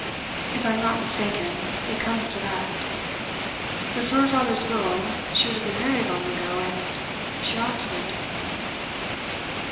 'If I'm not mistaken, it comes to that. But for her father's will, she would have been married long ago, and she ought to be.